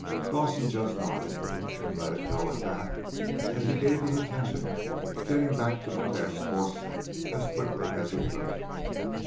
Dawson just nodded, and let it go at that as he gave his attention to getting back to the task force as quickly as he could.